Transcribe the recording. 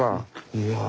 いや。